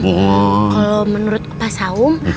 kalo menurut opa saum